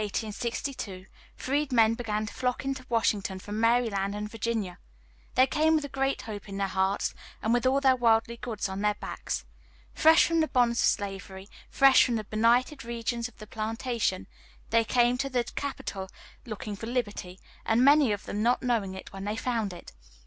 CHAPTER VII WASHINGTON IN 1862 3 In the summer of 1862, freedmen began to flock into Washington from Maryland and Virginia. They came with a great hope in their hearts, and with all their worldly goods on their backs. Fresh from the bonds of slavery, fresh from the benighted regions of the plantation, they came to the Capital looking for liberty, and many of them not knowing it when they found it.